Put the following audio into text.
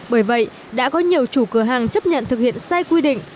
bởi vậy đã có nhiều chủ cửa hàng chấp nhận thực hiện sai quy định